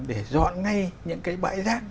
để dọn ngay những cái bãi rác